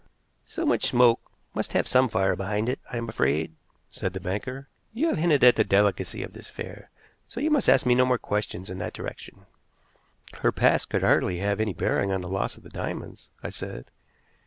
"So much smoke must have had some fire behind it, I am afraid," said the banker. "You have hinted at the delicacy of this affair, so you must ask me no more questions in that direction." "Her past could hardly have any bearing on the loss of the diamonds," I said.